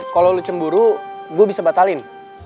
kalau lo cemburu gue bisa batalin